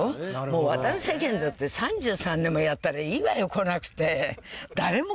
もう『渡る世間』だって３３年もやったらいいわよ来なくて。